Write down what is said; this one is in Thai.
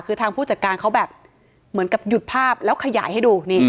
คือทางผู้จัดการเขาแบบเหมือนกับหยุดภาพแล้วขยายให้ดูนี่